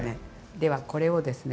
ではこれをですね